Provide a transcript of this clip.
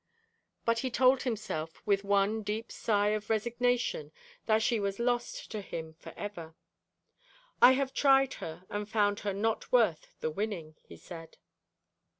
But he told himself with one deep sigh of resignation that she was lost to him for ever. 'I have tried her, and found her not worth the winning,' he said.